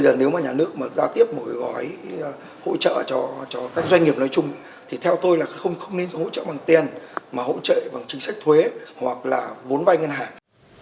doanh nghiệp nói chung thì theo tôi là không nên hỗ trợ bằng tiền mà hỗ trợ bằng chính sách thuế hoặc là vốn vai ngân hàng